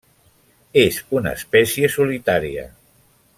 És una espècie solitària.